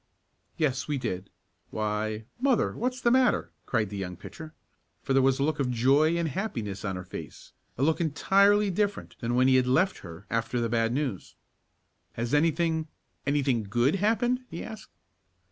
"Yes, we did why, mother, what's the matter?" cried the young pitcher, for there was a look of joy and happiness on her face, a look entirely different than when he had left her after the bad news. "Has anything anything good happened?" he asked.